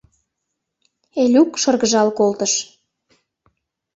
Элюк шыргыжал колтыш.